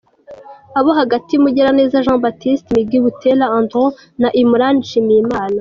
Abo hagati: Mugiraneza Jean Baptiste ‘Migi’, Butera Andrew na Imran Nshimiyimana.